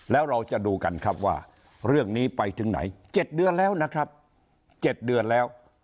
แล้วเราจะดูกันครับว่าเรื่องนี้ไปถึงไหน๗เดือนแล้วนะครับ๗เดือนแล้ว